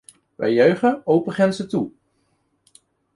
Wij juichen open grenzen toe.